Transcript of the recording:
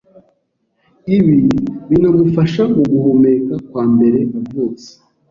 ibi binamufasha muguhumeka kwa mbere avutse.